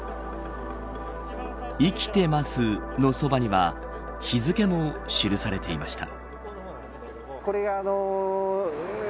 生きていますのそばには日付も記されていました。